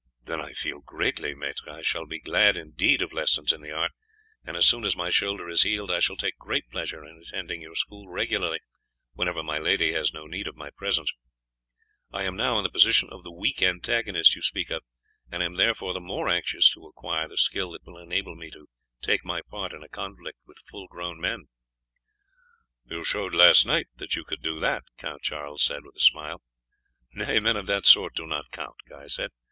"That I feel greatly, maître. I shall be glad indeed of lessons in the art, and as soon as my shoulder is healed I shall take great pleasure in attending your school regularly, whenever my lady has no need of my presence. I am now in the position of the weak antagonist you speak of, and am therefore the more anxious to acquire the skill that will enable me to take my part in a conflict with full grown men." "You showed last night that you could do that," Count Charles said with a smile. "Nay, men of that sort do not count," Guy said.